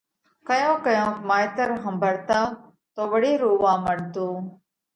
ڪيونڪ ڪيونڪ مائيتر ۿمڀرتا تو وۯي رووا مڏتو